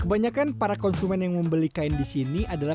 kebanyakan para konsumen yang membeli kain di sini adalah